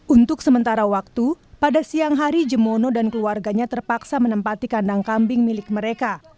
untuk sementara waktu pada siang hari jemono dan keluarganya terpaksa menempati kandang kambing milik mereka